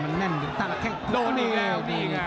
มันแน่นอยู่ต้านแล้วแข่งพวกก็ทรงแน่ว